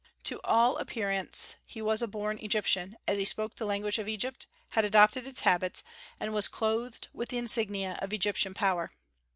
To all appearance he was a born Egyptian, as he spoke the language of Egypt, had adopted its habits, and was clothed with the insignia of Egyptian power.